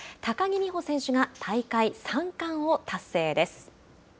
高木美帆選手が大会三冠を達成です。